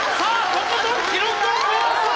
とことん記録を壊そう！